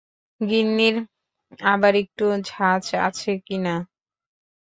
গিন্নীর আবার একটু ঝাঁজ আছে কি না।